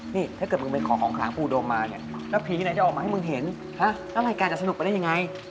นี่ถ้าเกิดมึงไปขอของขลังปูดมมาเนี่ยแล้วผีไหนจะออกมาให้มึงเห็นแล้วรายการจะสนุกไปได้ยังไง